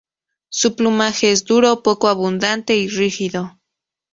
Su plumaje es duro, poco abundante y rígido.